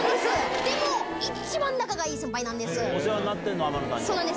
でも、一番仲がいい先輩なんですよ。